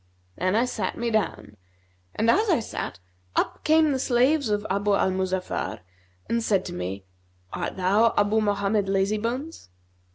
Then I sat me down and as I sat, up came the slaves of Abu al Muzaffar and said to me, 'Art thou Abu Mohammed Lazybones?'